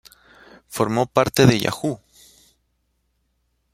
Formó parte de Yahoo!